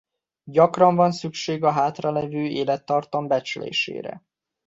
Gyakran van szükség a hátralevő élettartam becslésére.